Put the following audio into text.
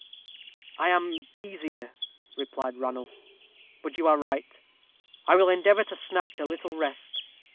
"I am easier," replied Ranulph; "but you are right, I will endeavor to snatch a little rest.